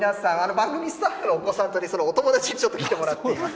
番組スタッフのお子さんと、そのお友達にちょっと来てもらっています。